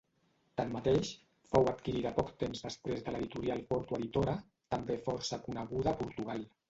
Tanmateix, fou adquirida poc temps després de l'editorial Porto Editora, també força coneguda a Portugal.